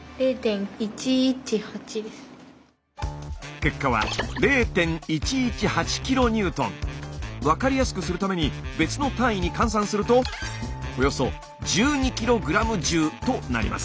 結果は分かりやすくするために別の単位に換算するとおよそ１２ｋｇｆとなります。